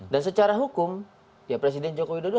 dan secara hukum ya presiden jokowi dodo